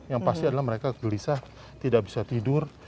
yang pasti adalah mereka gelisah tidak bisa tidur